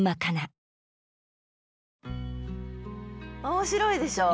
面白いでしょ？